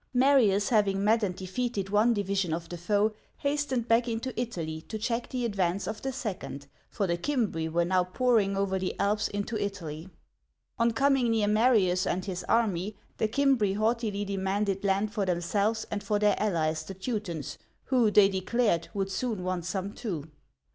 Marius having met and defeated one division of the foe, hastened back into Italy to check the advance of the second, for the Cimbri were now pouring over the Alps into Italy. On coming near Marius and his army, the ' uigiTizea Dy vjiOOQlC ROMANS AND GAULS 27 Cimbri haughtily demanded land for themselves and for their allies the Teutons, who, they declared, would soon want some too.